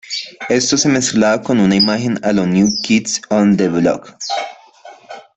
Esto se mezclaba con una imagen a lo New Kids on the Block.